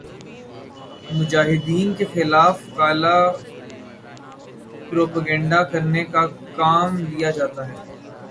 مجاہدین کے خلاف کالا پروپیگنڈا کرنے کا کام لیا جاتا ہے